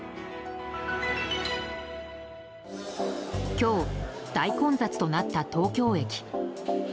今日、大混雑となった東京駅。